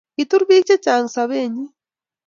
Kitur biik Chechang' Sobeenyi